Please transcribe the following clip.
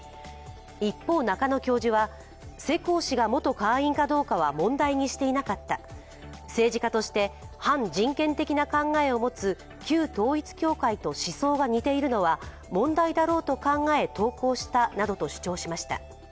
一方、中野教授は世耕氏が元会員かどうかは問題にしていなかった、政治家として、反人権的な考えを持つ旧統一教会と思想が似ているのは問題だろうと考え投稿したなどど主張しました。